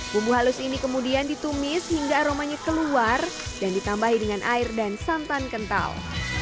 bumbu halus ini kemudian ditumis hingga aromanya keluar dan ditambahi dengan air dan santan kental